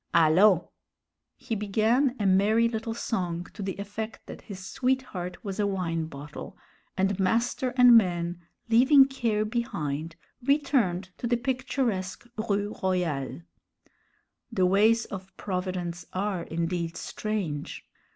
Allons!" He began a merry little song to the effect that his sweetheart was a wine bottle, and master and man, leaving care behind, returned to the picturesque Rue Royale. The ways of Providence are indeed strange.